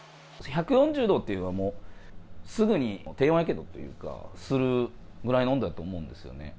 １４０度っていえば、すぐに低温やけどというか、するぐらいの温度だと思うんですよね。